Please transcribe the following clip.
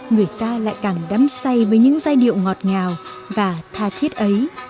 người ta lại càng đắm say với những giai điệu ngọt ngào và tha thiết ấy